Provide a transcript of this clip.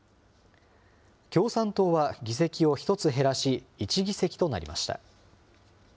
共産党は議席を１つ減らし、１議席となりました。